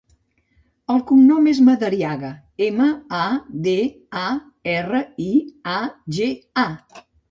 El cognom és Madariaga: ema, a, de, a, erra, i, a, ge, a.